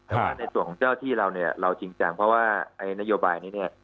แต่ว่าในส่วนของเจ้าที่เราเนี่ยเราจริงจังเพราะว่าไอ้นโยบายนี้เนี่ย